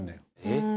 えっ！